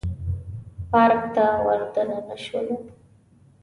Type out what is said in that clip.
پارک ته ور دننه شولو.